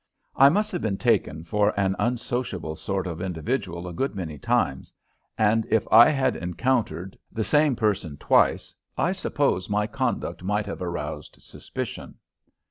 I must have been taken for an unsociable sort of individual a good many times, and if I had encountered the same person twice I suppose my conduct might have aroused suspicion.